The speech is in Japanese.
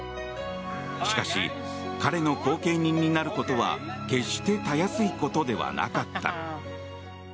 しかし、彼の後見人になることは決してたやすいことではなかった。